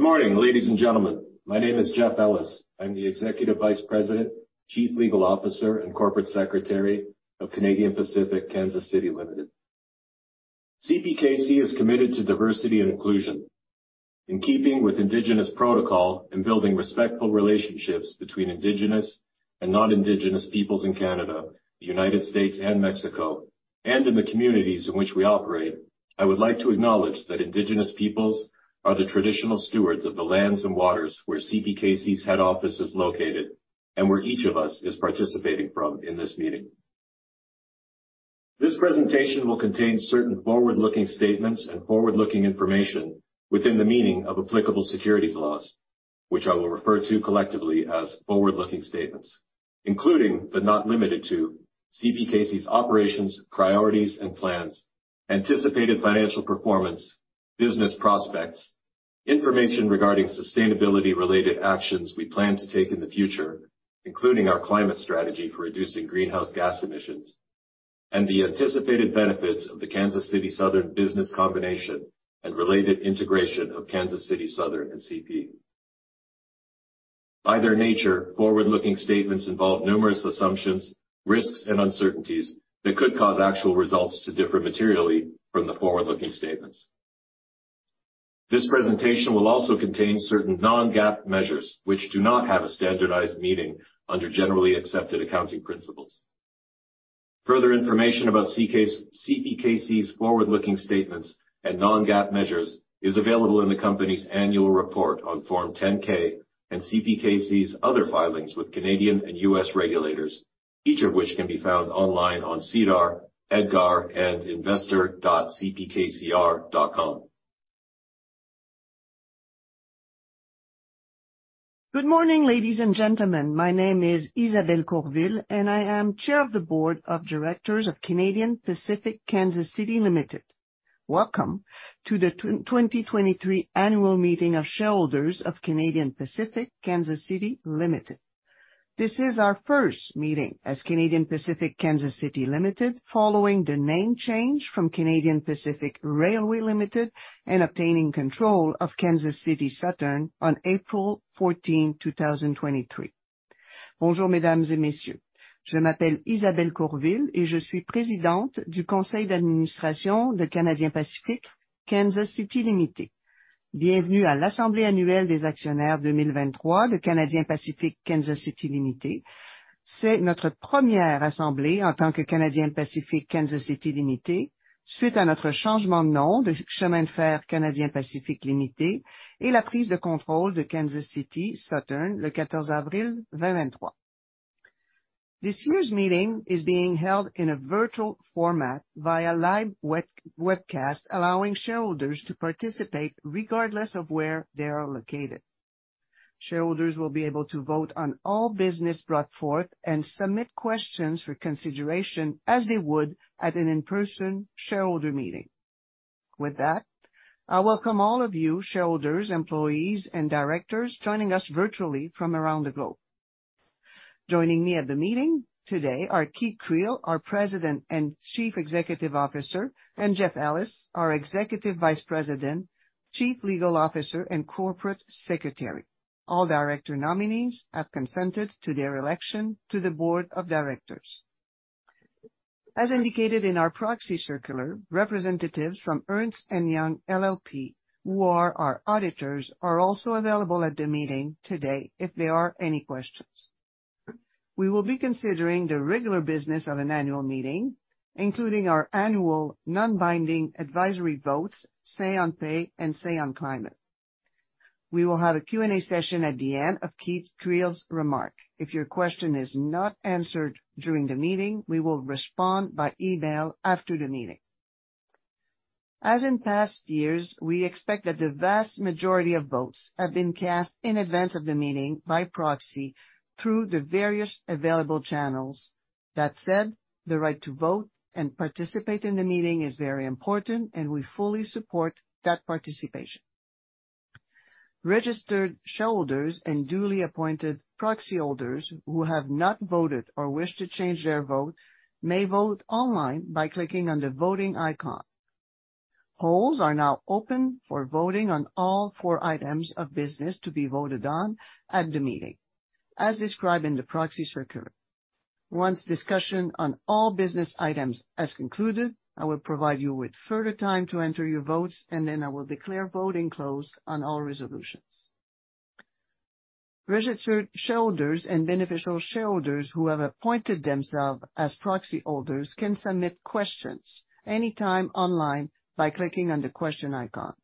Good morning, ladies and gentlemen. My name is Jeff Ellis. I'm the Executive Vice President, Chief Legal Officer, and Corporate Secretary of Canadian Pacific Kansas City Limited. CPKC is committed to diversity and inclusion. In keeping with indigenous protocol and building respectful relationships between indigenous and non-indigenous peoples in Canada, the United States, and Mexico, and in the communities in which we operate, I would like to acknowledge that indigenous peoples are the traditional stewards of the lands and waters where CPKC's head office is located and where each of us is participating from in this meeting. This presentation will contain certain forward-looking statements and forward-looking information within the meaning of applicable securities laws, which I will refer to collectively as forward-looking statements, including, but not limited to CPKC's operations, priorities, and plans, anticipated financial performance, business prospects, information regarding sustainability-related actions we plan to take in the future, including our climate strategy for reducing greenhouse gas emissions, and the anticipated benefits of the Kansas City Southern business combination and related integration of Kansas City Southern and CP. By their nature, forward-looking statements involve numerous assumptions, risks, and uncertainties that could cause actual results to differ materially from the forward-looking statements. This presentation will also contain certain non-GAAP measures, which do not have a standardized meaning under generally accepted accounting principles. Further information about CPKC's forward-looking statements and non-GAAP measures is available in the company's annual report on Form 10-K and CPKC's other filings with Canadian and U.S. regulators, each of which can be found online on SEDAR, EDGAR, and investor.cpkcr.com. Good morning, ladies and gentlemen. My name is Isabelle Courville, I am Chair of the Board of Directors of Canadian Pacific Kansas City Limited. Welcome to the 2023 Annual Meeting of Shareholders of Canadian Pacific Kansas City Limited. This is our first meeting as Canadian Pacific Kansas City Limited, following the name change from Canadian Pacific Railway Limited and obtaining control of Kansas City Southern on April 14, 2023. Bonjour, mesdames et messieurs. Je m'appelle Isabelle Courville, et je suis présidente du Conseil d'administration de Canadian Pacific Kansas City Limited. Bienvenue à l'Assemblée annuelle des actionnaires 2023 de Canadian Pacific Kansas City Limited. C'est notre première assemblée en tant que Canadian Pacific Kansas City Limited, suite à notre changement de nom de Chemin de fer canadien Pacifique Limited et la prise de contrôle de Kansas City Southern le 14 avril 2023. This year's meeting is being held in a virtual format via live web, webcast, allowing shareholders to participate regardless of where they are located. Shareholders will be able to vote on all business brought forth and submit questions for consideration as they would at an in-person shareholder meeting. I welcome all of you, shareholders, employees, and Directors, joining us virtually from around the globe. Joining me at the meeting today are Keith Creel, our President and Chief Executive Officer, and Jeff Ellis, our Executive Vice President, Chief Legal Officer, and Corporate Secretary. All Director nominees have consented to their election to the Board of Directors. As indicated in our proxy circular, representatives from Ernst & Young LLP, who are our auditors, are also available at the meeting today if there are any questions. We will be considering the regular business of an annual meeting, including our annual non-binding advisory votes, Say on Pay and Say on Climate. We will have a Q&A session at the end of Keith Creel's remark. If your question is not answered during the meeting, we will respond by email after the meeting. As in past years, we expect that the vast majority of votes have been cast in advance of the meeting by proxy through the various available channels. That said, the right to vote and participate in the meeting is very important, and we fully support that participation. Registered shareholders and duly appointed proxy holders who have not voted or wish to change their vote may vote online by clicking on the voting icon. Polls are now open for voting on all four items of business to be voted on at the meeting, as described in the proxy circular. Once discussion on all business items has concluded, I will provide you with further time to enter your votes, and then I will declare voting closed on all resolutions. Registered shareholders and beneficial shareholders who have appointed themselves as proxy holders can submit questions anytime online by clicking on the question icon.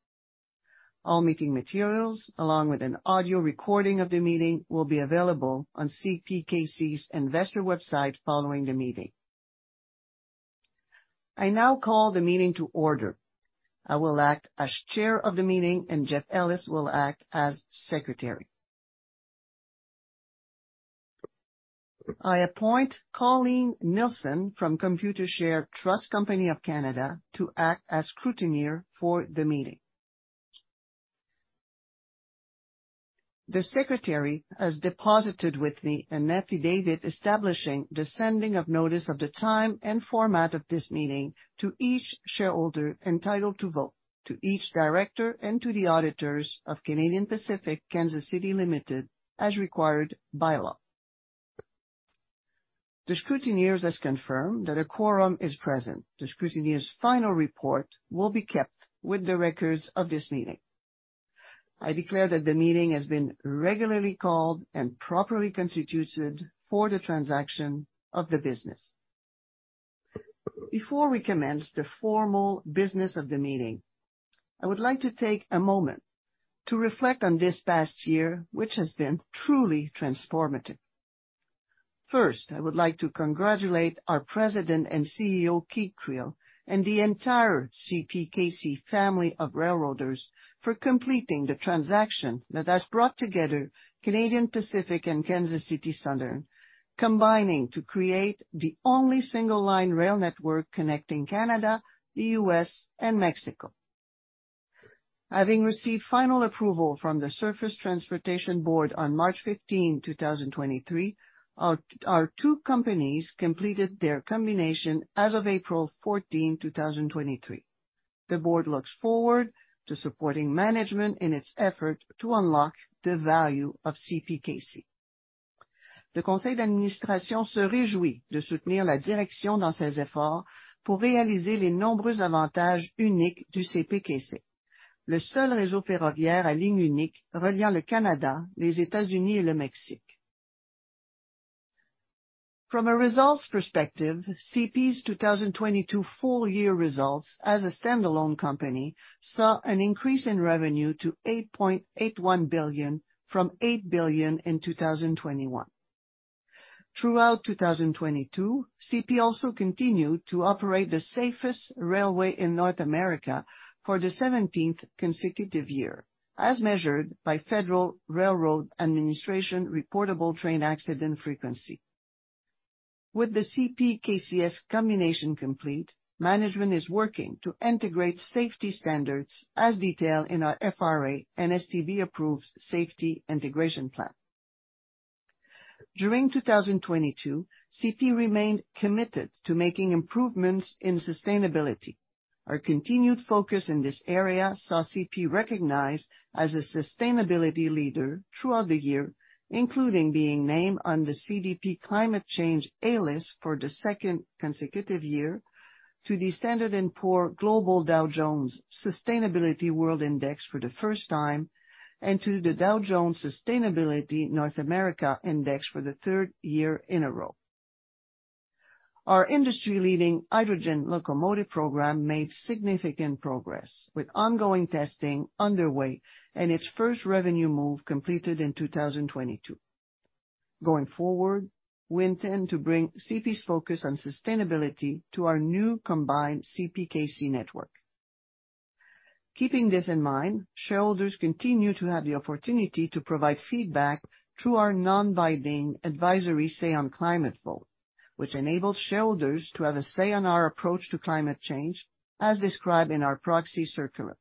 All meeting materials, along with an audio recording of the meeting, will be available on CPKC's investor website following the meeting. I now call the meeting to order. I will act as Chair of the meeting, and Jeff Ellis will act as Secretary. I appoint Colleen Nielsen from Computershare Trust Company of Canada to act as scrutineer for the meeting. The secretary has deposited with me an affidavit establishing the sending of notice of the time and format of this meeting to each shareholder entitled to vote, to each director, and to the auditors of Canadian Pacific Kansas City Limited, as required by law. The scrutineer has confirmed that a quorum is present. The scrutineer's final report will be kept with the records of this meeting. I declare that the meeting has been regularly called and properly constituted for the transaction of the business. Before we commence the formal business of the meeting, I would like to take a moment to reflect on this past year, which has been truly transformative. I would like to congratulate our President and CEO, Keith Creel, and the entire CPKC family of railroaders for completing the transaction that has brought together Canadian Pacific and Kansas City Southern, combining to create the only single-line rail network connecting Canada, the U.S., and Mexico. Having received final approval from the Surface Transportation Board on March 15, 2023, our two companies completed their combination as of April 14, 2023. The board looks forward to supporting management in its effort to unlock the value of CPKC. The Council d'Administration se réjouit de soutenir la direction dans ses efforts pour réaliser les nombreux avantages uniques du CPKC, le seul réseau ferroviaire à ligne unique reliant le Canada, les États-Unis et le Mexique. From a results perspective, CP's 2022 full year results as a standalone company, saw an increase in revenue to $8.81 billion from $8 billion in 2021. Throughout 2022, CP also continued to operate the safest railway in North America for the 17th consecutive year, as measured by Federal Railroad Administration reportable train accident frequency. With the CPKC's combination complete, management is working to integrate safety standards as detailed in our FRA and STB-approved safety integration plan. During 2022, CP remained committed to making improvements in sustainability. Our continued focus in this area saw CP recognized as a sustainability leader throughout the year, including being named on the CDP Climate Change A List for the second consecutive year, to the Standard and Poor Global Dow Jones Sustainability World Index for the first time, and to the Dow Jones Sustainability North America Index for the third year in a row. Our industry-leading hydrogen locomotive program made significant progress, with ongoing testing underway and its first revenue move completed in 2022. Going forward, we intend to bring CP's focus on sustainability to our new combined CPKC network. Keeping this in mind, shareholders continue to have the opportunity to provide feedback through our non-binding advisory Say on Climate vote, which enables shareholders to have a say on our approach to climate change, as described in our proxy circular.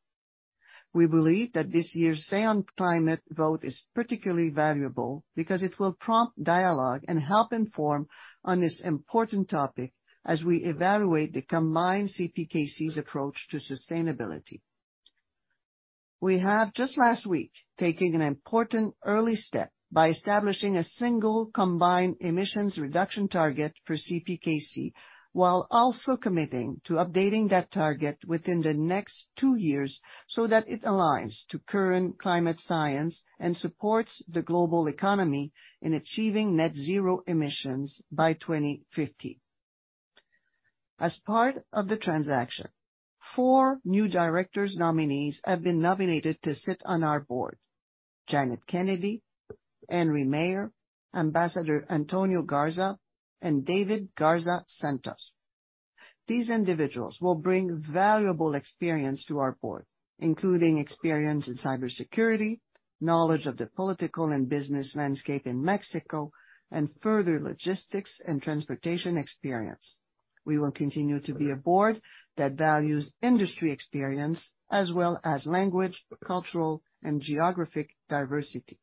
We believe that this year's Say on Climate vote is particularly valuable because it will prompt dialogue and help inform on this important topic as we evaluate the combined CPKC's approach to sustainability. We have just last week, taken an important early step by establishing a single combined emissions reduction target for CPKC, while also committing to updating that target within the next two years, so that it aligns to current climate science and supports the global economy in achieving net zero emissions by 2050. As part of the transaction, four new directors nominees have been nominated to sit on our board: Janet Kennedy, Henry Maier, Ambassador Antonio Garza, and David Garza-Santos. These individuals will bring valuable experience to our board, including experience in cybersecurity, knowledge of the political and business landscape in Mexico, and further logistics and transportation experience. We will continue to be a board that values industry experience as well as language, cultural, and geographic diversity.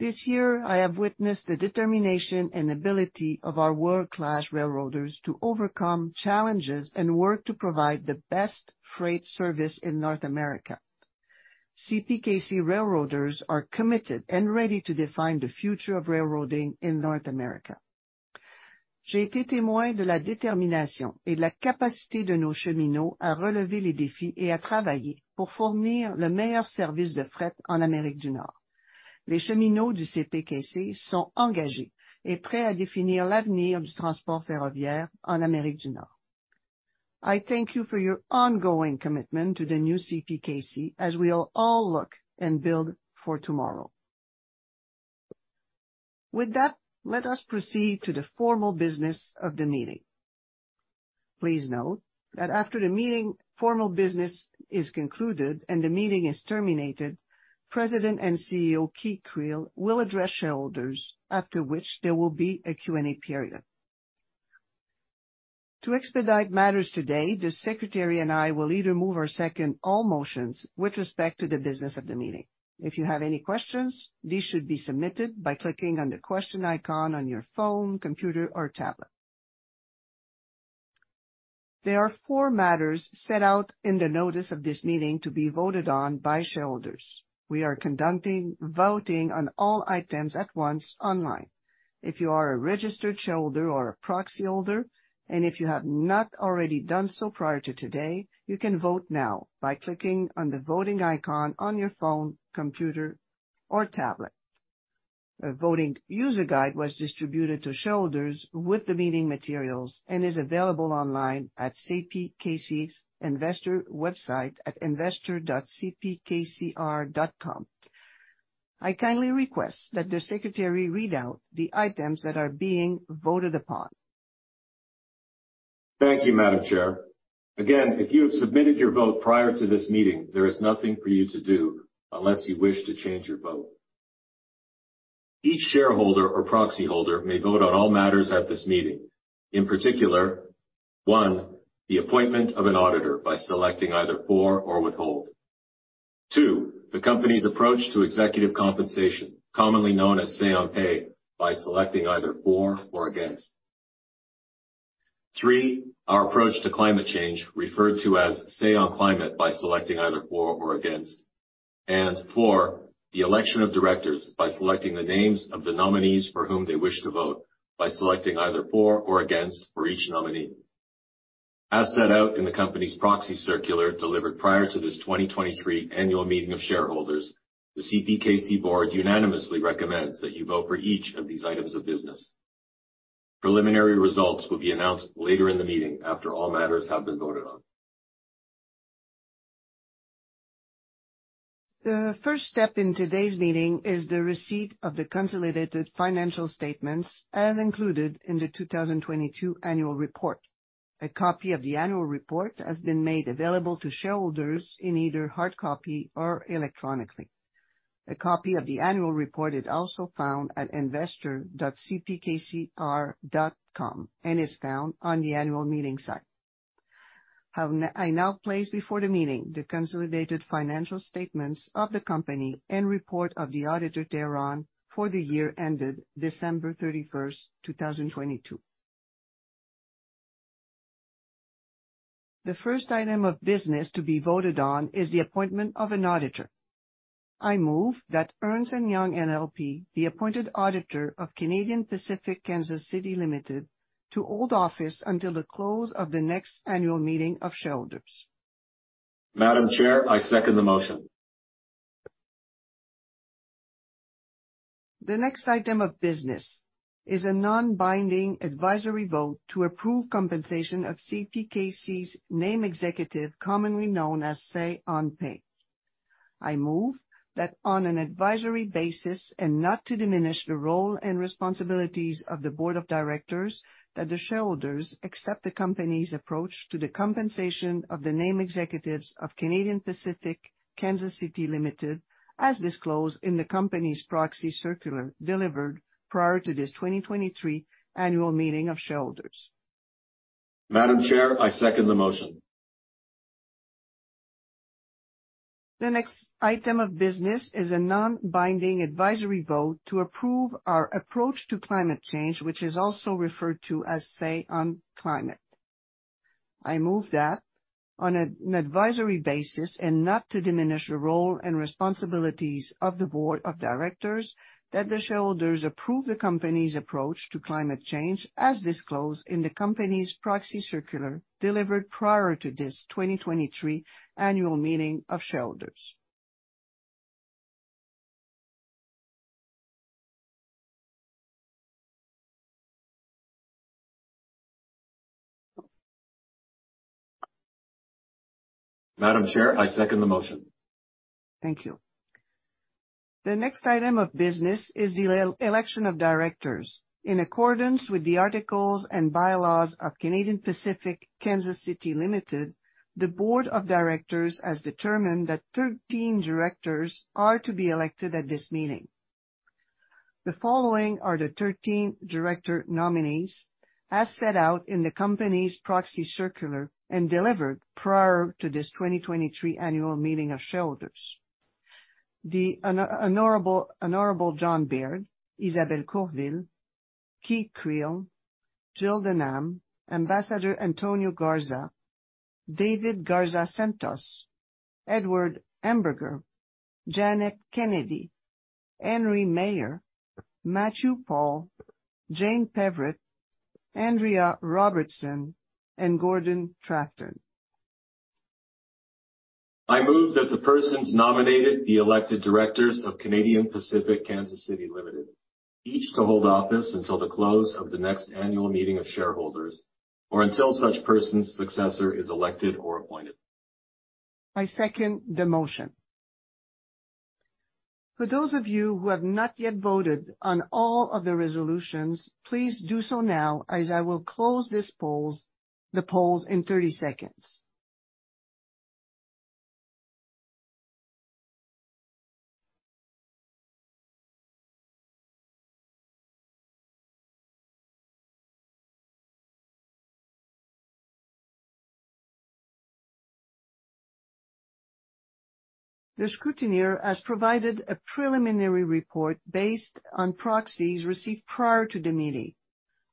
This year, I have witnessed the determination and ability of our world-class railroaders to overcome challenges and work to provide the best freight service in North America. CPKC railroaders are committed and ready to define the future of railroading in North America. J'ai été témoin de la détermination et de la capacité de nos cheminots à relever les défis et à travailler pour fournir le meilleur service de fret en Amérique du Nord. Les cheminots du CPKC sont engagés et prêts à définir l'avenir du transport ferroviaire en Amérique du Nord. I thank you for your ongoing commitment to the new CPKC, as we all look and build for tomorrow. With that, let us proceed to the formal business of the meeting. Please note that after the meeting, formal business is concluded and the meeting is terminated, President and CEO, Keith Creel, will address shareholders, after which there will be a Q&A period. To expedite matters today, the Secretary and I will either move or second all motions with respect to the business of the meeting. If you have any questions, these should be submitted by clicking on the question icon on your phone, computer, or tablet. There are four matters set out in the notice of this meeting to be voted on by shareholders. We are conducting voting on all items at once online. If you are a registered shareholder or a proxy holder, if you have not already done so prior to today, you can vote now by clicking on the voting icon on your phone, computer, or tablet. A voting user guide was distributed to shareholders with the meeting materials and is available online at CPKC's investor website at investor.cpkcr.com. I kindly request that the secretary read out the items that are being voted upon. Thank you, Madam Chair. If you have submitted your vote prior to this meeting, there is nothing for you to do unless you wish to change your vote. Each shareholder or proxy holder may vote on all matters at this meeting. In particular, one, the appointment of an auditor by selecting either for or withhold. Two, the company's approach to executive compensation, commonly known as Say on Pay, by selecting either for or against. Three, our approach to climate change, referred to as Say on Climate, by selecting either for or against. Four, the election of directors by selecting the names of the nominees for whom they wish to vote, by selecting either for or against for each nominee. As set out in the company's proxy circular, delivered prior to this 2023 annual meeting of shareholders, the CPKC board unanimously recommends that you vote for each of these items of business. Preliminary results will be announced later in the meeting after all matters have been voted on. The first step in today's meeting is the receipt of the consolidated financial statements, as included in the 2022 annual report. A copy of the annual report has been made available to shareholders in either hard copy or electronically. A copy of the annual report is also found at investor.cpkcr.com and is found on the annual meeting site. I now place before the meeting the consolidated financial statements of the company and report of the auditor thereon for the year ended December 31st, 2022. The first item of business to be voted on is the appointment of an auditor. I move that Ernst & Young LLP, the appointed auditor of Canadian Pacific Kansas City Limited, to hold office until the close of the next annual meeting of shareholders. Madam Chair, I second the motion. The next item of business is a non-binding advisory vote to approve compensation of CPKC's named executive, commonly known as Say on Pay. I move that on an advisory basis and not to diminish the role and responsibilities of the board of directors, that the shareholders accept the company's approach to the compensation of the named executives of Canadian Pacific Kansas City Limited, as disclosed in the company's proxy circular, delivered prior to this 2023 annual meeting of shareholders. Madam Chair, I second the motion. The next item of business is a non-binding advisory vote to approve our approach to climate change, which is also referred to as Say on Climate. I move that on an advisory basis and not to diminish the role and responsibilities of the board of directors, that the shareholders approve the company's approach to climate change, as disclosed in the company's proxy circular, delivered prior to this 2023 annual meeting of shareholders. Madam Chair, I second the motion. Thank you. The next item of business is the election of directors. In accordance with the articles and bylaws of Canadian Pacific Kansas City Limited, the board of directors has determined that 13 directors are to be elected at this meeting. The following are the 13 director nominees, as set out in the company's proxy circular and delivered prior to this 2023 annual meeting of shareholders. The Honorable John Baird, Isabelle Courville, Keith Creel, Jill Denham, Ambassador Antonio Garza, David Garza-Santos, Edward Hamberger, Janet Kennedy, Henry Maier, Matthew Paull, Jane Peverett, Andrea Robertson, and Gordon Trafton. I move that the persons nominated be elected directors of Canadian Pacific Kansas City Limited, each to hold office until the close of the next annual meeting of shareholders or until such person's successor is elected or appointed. I second the motion. For those of you who have not yet voted on all of the resolutions, please do so now, as I will close the polls in 30 seconds. The scrutineer has provided a preliminary report based on proxies received prior to the meeting.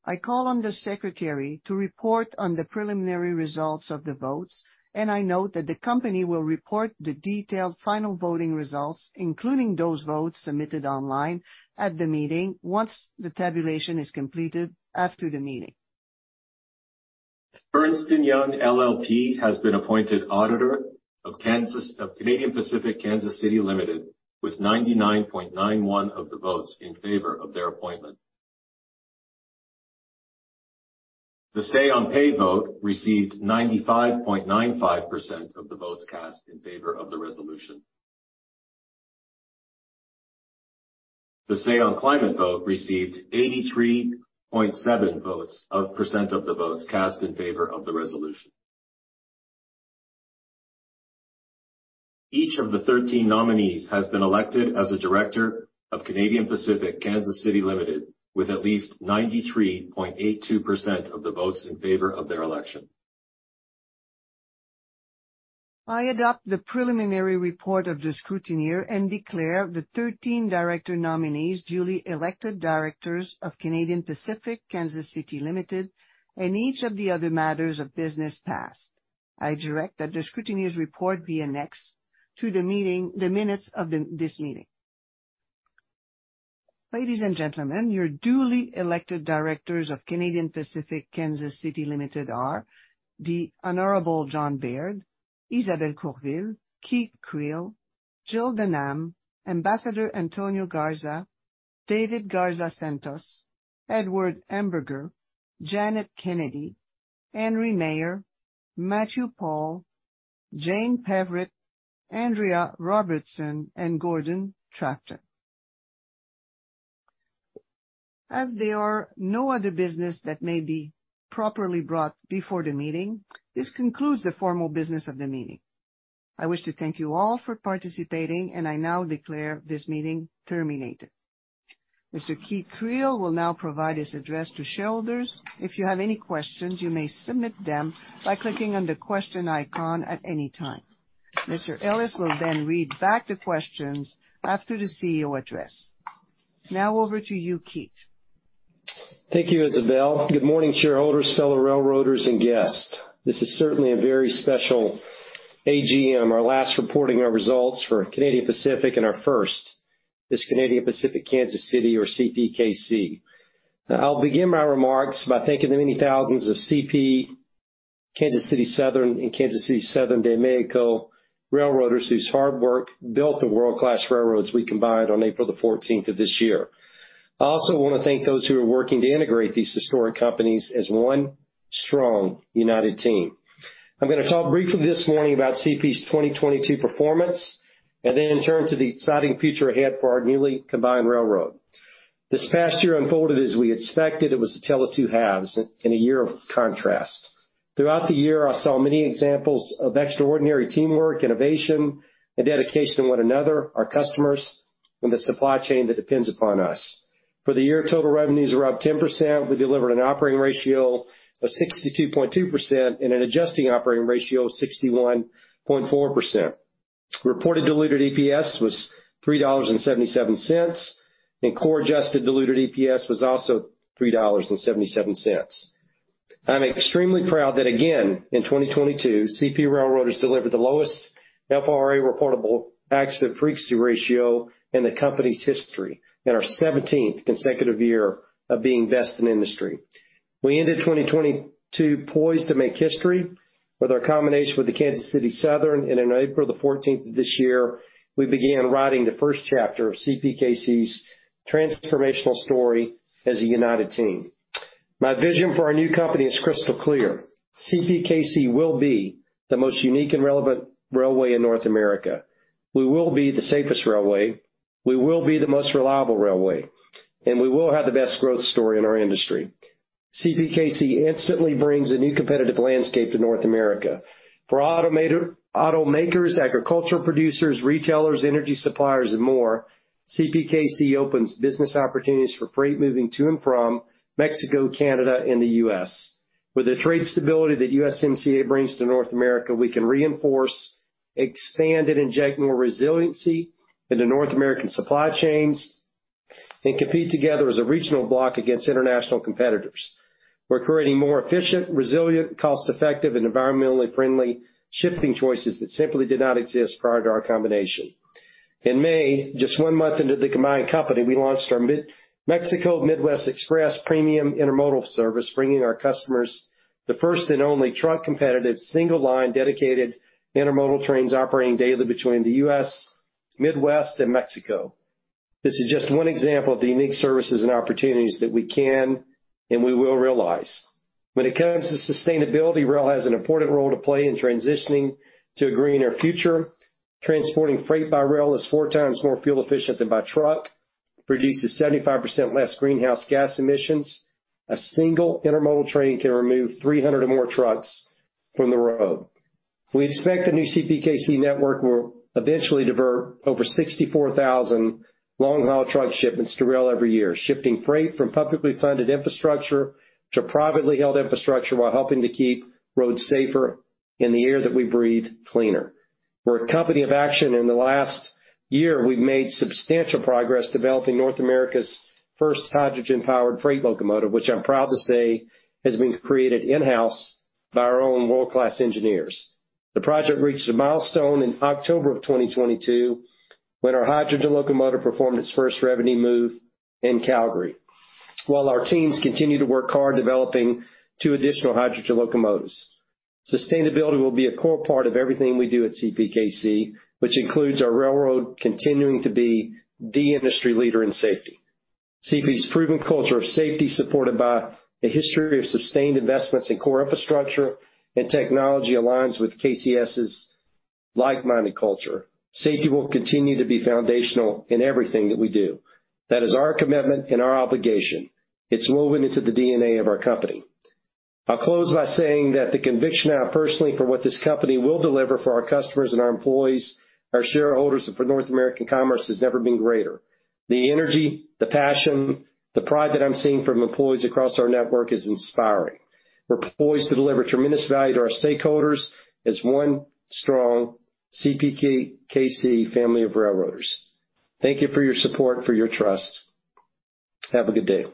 I call on the Secretary to report on the preliminary results of the votes, and I note that the company will report the detailed final voting results, including those votes submitted online at the meeting, once the tabulation is completed after the meeting. Ernst & Young LLP has been appointed Auditor of Canadian Pacific Kansas City Limited, with 99.91% of the votes in favor of their appointment. The Say on Pay vote received 95.95% of the votes cast in favor of the resolution. The Say on Climate vote received 83.7% of the votes cast in favor of the resolution. Each of the 13 nominees has been elected as a director of Canadian Pacific Kansas City Limited, with at least 93.82% of the votes in favor of their election. I adopt the preliminary report of the scrutineer and declare the 13 director nominees duly elected directors of Canadian Pacific Kansas City Limited, and each of the other matters of business passed. I direct that the scrutineer's report be annexed to the minutes of this meeting. Ladies and gentlemen, your duly elected directors of Canadian Pacific Kansas City Limited are: The Honorable John Baird, Isabelle Courville, Keith Creel, Jill Denham, Ambassador Antonio Garza, David Garza-Santos, Edward Hamberger, Janet Kennedy, Henry Maier, Matthew Paull, Jane Peverett, Andrea Robertson, and Gordon Trafton. As there are no other business that may be properly brought before the meeting, this concludes the formal business of the meeting. I wish to thank you all for participating, and I now declare this meeting terminated. Mr. Keith Creel will now provide his address to shareholders. If you have any questions, you may submit them by clicking on the question icon at any time. Mr. Ellis will then read back the questions after the CEO address. Now over to you, Keith. Thank you, Isabelle. Good morning, shareholders, fellow railroaders, and guests. This is certainly a very special AGM, our last reporting our results for Canadian Pacific, and our first, this Canadian Pacific Kansas City or CPKC. I'll begin my remarks by thanking the many thousands of CP, Kansas City Southern and Kansas City Southern de México railroaders whose hard work built the world-class railroads we combined on April the fourteenth of this year. I also want to thank those who are working to integrate these historic companies as one strong, united team. I'm going to talk briefly this morning about CP's 2022 performance, and then in turn, to the exciting future ahead for our newly combined railroad. This past year unfolded as we expected. It was a tale of two halves and a year of contrast. Throughout the year, I saw many examples of extraordinary teamwork, innovation, and dedication to one another, our customers, and the supply chain that depends upon us. For the year, total revenues were up 10%. We delivered an operating ratio of 62.2% and an adjusting operating ratio of 61.4%. Reported diluted EPS was $3.77, and core adjusted diluted EPS was also $3.77. I'm extremely proud that, again, in 2022, CP Railroaders delivered the lowest FRA reportable accident frequency ratio in the company's history, and our 17th consecutive year of being best in industry. We ended 2022 poised to make history with our combination with the Kansas City Southern, and on April 14th of this year, we began writing the first chapter of CPKC's transformational story as a united team. My vision for our new company is crystal clear. CPKC will be the most unique and relevant railway in North America. We will be the safest railway, we will be the most reliable railway, and we will have the best growth story in our industry. CPKC instantly brings a new competitive landscape to North America. For automakers, agriculture producers, retailers, energy suppliers, and more, CPKC opens business opportunities for freight moving to and from Mexico, Canada, and the U.S. With the trade stability that USMCA brings to North America, we can reinforce, expand, and inject more resiliency into North American supply chains and compete together as a regional block against international competitors. We're creating more efficient, resilient, cost-effective and environmentally friendly shipping choices that simply did not exist prior to our combination. In May, just one month into the combined company, we launched our Mexico Midwest Express premium intermodal service, bringing our customers the first and only truck-competitive, single-line, dedicated intermodal trains operating daily between the U.S. Midwest and Mexico. This is just one example of the unique services and opportunities that we can and we will realize. When it comes to sustainability, rail has an important role to play in transitioning to a greener future. Transporting freight by rail is 4x more fuel efficient than by truck, produces 75% less greenhouse gas emissions. A single intermodal train can remove 300 or more trucks from the road. We expect the new CPKC network will eventually divert over 64,000 long-haul truck shipments to rail every year, shifting freight from publicly funded infrastructure to privately held infrastructure, while helping to keep roads safer and the air that we breathe cleaner. We're a company of action. In the last year, we've made substantial progress developing North America's first hydrogen-powered freight locomotive, which I'm proud to say has been created in-house by our own world-class engineers. The project reached a milestone in October of 2022, when our hydrogen locomotive performed its first revenue move in Calgary. While our teams continue to work hard developing two additional hydrogen locomotives, sustainability will be a core part of everything we do at CPKC, which includes our railroad continuing to be the industry leader in safety. CP's proven culture of safety, supported by a history of sustained investments in core infrastructure and technology, aligns with KCS's like-minded culture. Safety will continue to be foundational in everything that we do. That is our commitment and our obligation. It's woven into the DNA of our company. I'll close by saying that the conviction I have personally for what this company will deliver for our customers and our employees, our shareholders, and for North American commerce, has never been greater. The energy, the passion, the pride that I'm seeing from employees across our network is inspiring. We're poised to deliver tremendous value to our stakeholders as one strong CPKC family of railroaders. Thank you for your support, for your trust. Have a good day.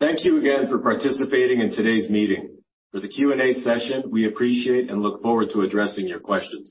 Thank you again for participating in today's meeting. For the Q&A session, we appreciate and look forward to addressing your questions.